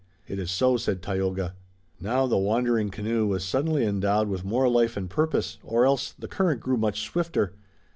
"It is so," said Tayoga. Now the wandering canoe was suddenly endowed with more life and purpose, or else the current grew much swifter.